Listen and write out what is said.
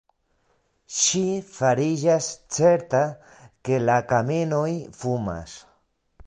Ŝi fariĝas certa, ke la kamenoj fumas.